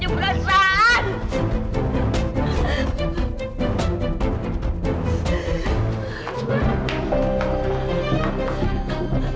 kamu bisa selangis